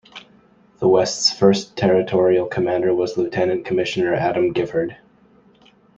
The West's first territorial commander was Lieutenant Commissioner Adam Gifford.